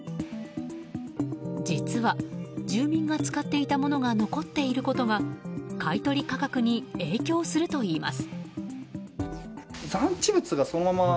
実は住民が使っていたものが残っていることが買い取り価格に影響するといいます。